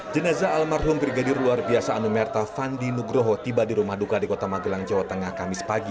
jenazah almarhum brigadir luar biasa anumerta fandi nugroho tiba di rumah duka di kota magelang jawa tengah kamis pagi